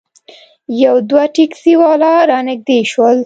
یو دوه ټیکسي والا رانږدې شول.